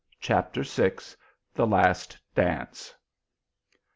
CHAPTER VI. THE LAST DANCE.